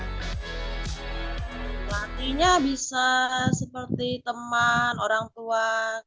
pelatihnya bisa seperti teman orang tua